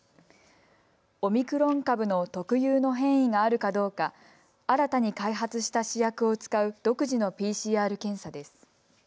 オミクロン株の特有の変異があるかどうか新たに開発した試薬を使う独自のＰＣＲ検査です。